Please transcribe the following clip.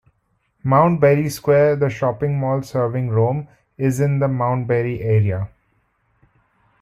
Mount Berry Square, the shopping mall serving Rome, is in the Mount Berry area.